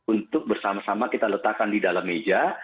untuk bersama sama kita letakkan di dalam meja